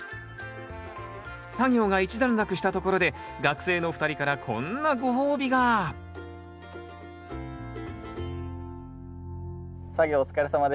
作業が一段落したところで学生のお二人からこんなご褒美が作業お疲れさまでした。